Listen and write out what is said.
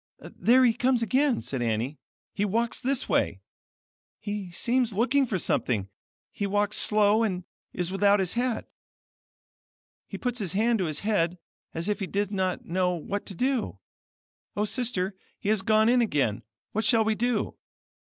"There he comes again," said Annie. "He walks this way. He seems looking for something. He walks slow, and is without his hat. He puts his hand to his head, as if he did not know what to do. Oh, sister, he has gone in again; what shall we do?"